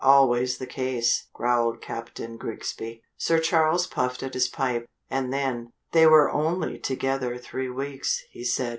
"Always the case," growled Captain Grigsby. Sir Charles puffed at his pipe and then: "They were only together three weeks," he said.